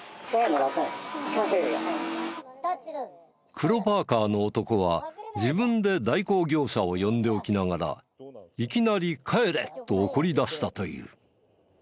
黒パーカーの男は自分で代行業者を呼んでおきながらいきなり帰れ！と怒りだしたという。